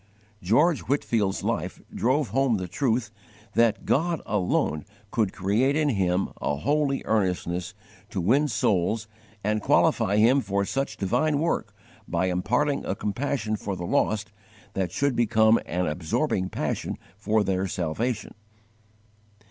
George Whitefield's life drove home the truth that God alone could create in him a holy earnestness to win souls and qualify him for such divine work by imparting a compassion for the lost that should become an absorbing passion for their salvation.